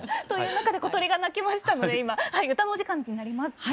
という中で小鳥が鳴きましたので今歌のお時間になります。